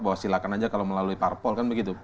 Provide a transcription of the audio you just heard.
bahwa silakan aja kalau melalui parpol kan begitu